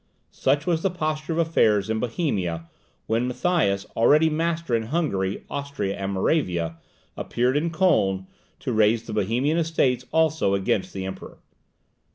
Such was the posture of affairs in Bohemia, when Matthias, already master of Hungary, Austria, and Moravia, appeared in Kolin, to raise the Bohemian Estates also against the Emperor.